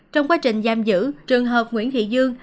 trong quá trình giam giữ trường hợp nguyễn thị dương